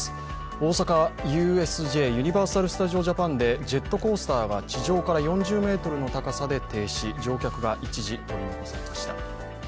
大阪・ＵＳＪ＝ユニバーサル・スタジオ・ジャパンでジェットコースターが地上から４０ｍの高さで停止乗客が一時取り残されました。